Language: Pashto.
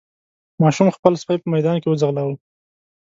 ماشوم خپل سپی په ميدان کې وځغلاوه.